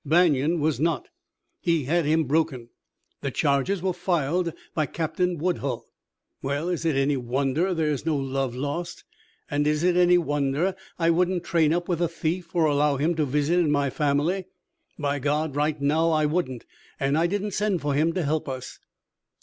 Banion was not. He had him broken. The charges were filed by Captain Woodhull. Well, is it any wonder there is no love lost? And is it any wonder I wouldn't train up with a thief, or allow him to visit in my family? By God! right now I wouldn't; and I didn't send for him to help us!"